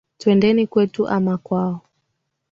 Twendeni kwetu ama kwao.